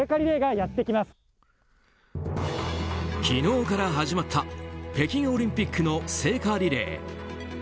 昨日から始まった北京オリンピックの聖火リレー。